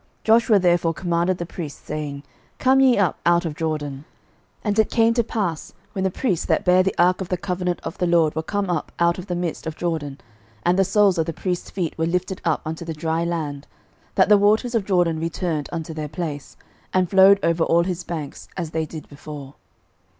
06:004:017 Joshua therefore commanded the priests, saying, Come ye up out of Jordan. 06:004:018 And it came to pass, when the priests that bare the ark of the covenant of the LORD were come up out of the midst of Jordan, and the soles of the priests' feet were lifted up unto the dry land, that the waters of Jordan returned unto their place, and flowed over all his banks, as they did before.